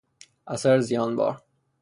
اثر زیانبار